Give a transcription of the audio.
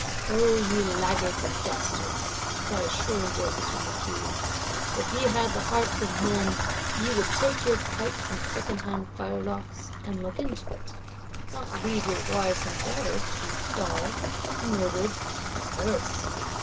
O ye laggards and dastards, cry shrill voices from the Queues, if ye had the hearts of men, ye would take your pikes and secondhand firelocks, and look into it; not leave your wives and daughters to be starved, murdered, and worse!